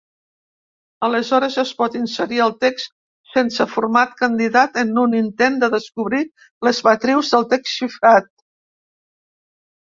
Aleshores es pot inserir el text sense format candidat en un intent de descobrir les matrius del text xifrat.